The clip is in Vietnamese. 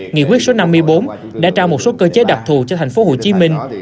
nghị quyết số năm mươi bốn đã trao một số cơ chế đặc thù cho thành phố hồ chí minh